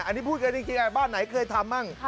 อันนี้พูดกันจริงบ้านไหนเคยทำบ้าง